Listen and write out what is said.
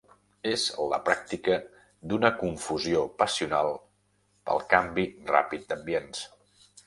És la pràctica d'una confusió passional pel canvi ràpid d'ambients